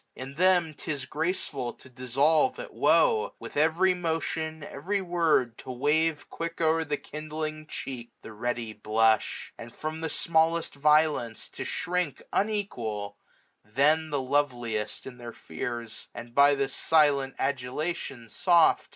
In them 'tis graceful to dissolve at woe; With every motion, every word, to wave 580 Quick o'er the kindling cheek the ready blush ; And from the smallest violence to shrink Unequal, then the loveliest in their fears ; And by this silent adulation, soft.